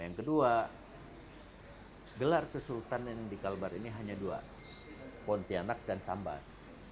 yang kedua gelar kesultanan di kalbar ini hanya dua pontianak dan sambas